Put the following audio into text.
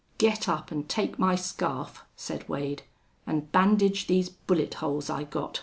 "Get up, an' take my scarf," said Wade, "an' bandage these bullet holes I got."